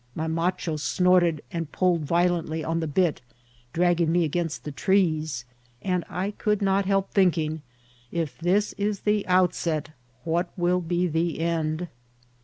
My macho snorted and pulled vio lently on the bit, dragging me against the trees ; and I could not help thinking, if this is the outset, what will be the end